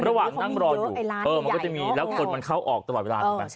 ระหว่างนั่งรออยู่มันก็จะมีแล้วคนมันเข้าออกตลอดเวลาถูกไหม